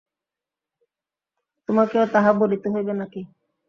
তােমাকেও তাহা বলিতে হইবে না কি?